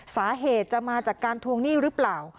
สาเหตุจะมาจากการทวงหนี้หรือเปล่า